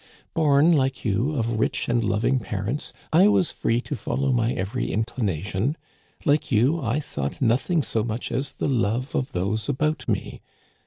Born, like you, of rich and lov ing parents, I was free to follow my every inclination. Like you, I sought nothing so much as the love of those about me.